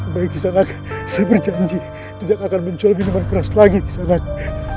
baik baik saja seberjanji tidak akan mencuri kelas lagi sangat